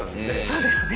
そうですね。